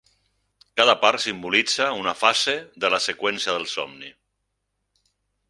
Cada part simbolitza una fase de la seqüència del somni.